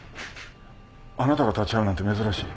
あなたが立ち会うなんて珍しい。